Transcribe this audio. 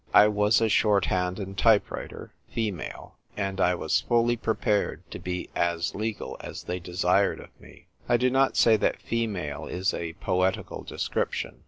I was a Shorthand and Type writer (female) ; and I was fully prepared to be as legal as they desired of me. I do not say that " female " is a poetical description.